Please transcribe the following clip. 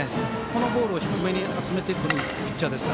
このボールを低めに集めていくピッチャーです。